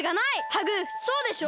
ハグそうでしょ！？